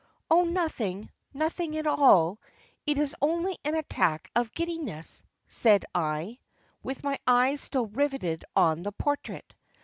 'Oh, nothing, nothing at all, it is only an attack of giddiness,' said I, with my eyes still riveted on the portrait.